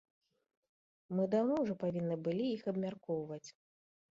Мы даўно ўжо павінны былі іх абмяркоўваць.